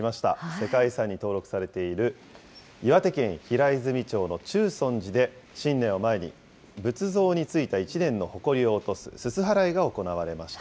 世界遺産に登録されている、岩手県平泉町の中尊寺で、新年を前に仏像についた１年のほこりを落とすすす払いが行われました。